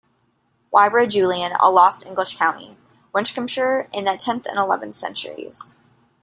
Whybra, Julian, A Lost English County: Winchcombeshire in the Tenth and Eleventh Centuries.